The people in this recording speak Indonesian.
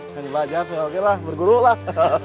nanti belajar saya bergurulah